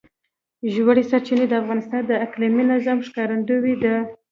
ژورې سرچینې د افغانستان د اقلیمي نظام ښکارندوی ده.